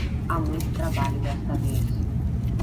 Há muito trabalho desta vez.